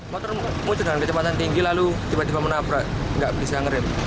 motor muncul dengan kecepatan tinggi lalu tiba tiba menabrak nggak bisa ngeri